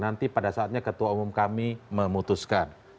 nanti pada saatnya ketua umum kami memutuskan